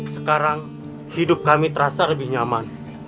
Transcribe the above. sekarang hidup kami terasa lebih nyaman